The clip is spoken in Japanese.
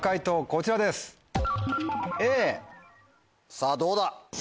さぁどうだ。